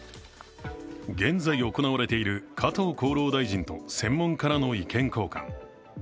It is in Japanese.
現在行われている加藤厚労大臣と専門家らの意見交換。